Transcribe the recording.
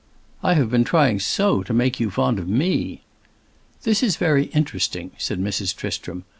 "I have been trying so to make you fond of me!" "This is very interesting," said Mrs. Tristram.